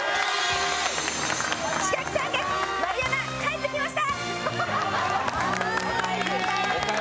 四角三角・丸山帰ってきました！